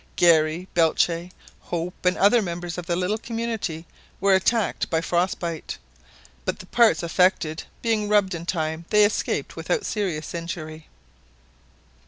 Garry, Belcher, Hope, and other members of the little community were attacked by frost bite, but the parts affected being rubbed in time they escaped without serious injury.